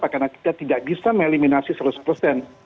karena kita tidak bisa mengeliminasi seratus persen